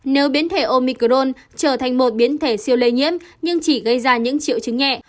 nếu biến thể omicron trở thành một biến thể siêu lây nhiễm nhưng chỉ gây ra những triệu chứng nhẹ